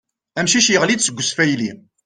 Amcic yaɣli-d seg usfayly.